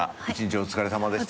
お疲れさまでした。